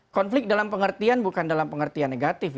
konflik dalam pengertian bukan dalam pengertian negatif